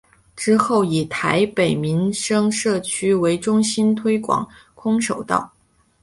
之后以台北民生社区为中心推广空手道。